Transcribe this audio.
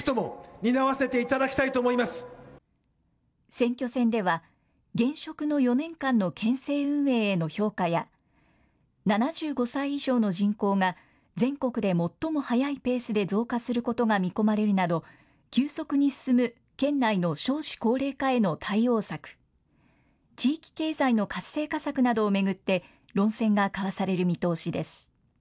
選挙戦では、現職の４年間の県政運営への評価や、７５歳以上の人口が全国で最も速いペースで増加することが見込まれるなど急速に進む県内の少子高齢化への対応策、地域経済の活性化策などを巡って論戦が交わされる見通しです。